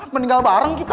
meninggal bareng kita